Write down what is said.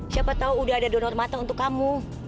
siapa tahu udah ada donor mata untuk kamu